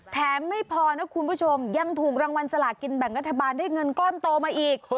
ไม่พอนะคุณผู้ชมยังถูกรางวัลสลากินแบ่งรัฐบาลได้เงินก้อนโตมาอีก